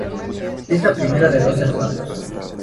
Es la primera de dos hermanos.